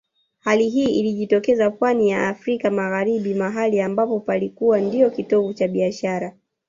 Hali hii ilijitokeza pwani ya Afrika Magharibi mahali ambapo palikuwa ndio kitovu cha biashara